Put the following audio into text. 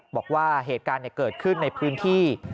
บอกว่าเหตุการณ์เกิดขึ้นในพื้นที่